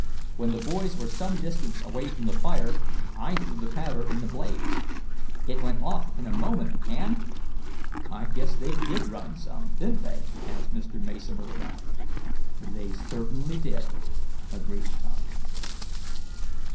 When the boys were some distance away from the fire, I threw the powder in the blaze. It went off in a moment, and " "I guess they run some; didn't they?" asked Mr. Mason with a laugh. "They certainly did," agreed Tom.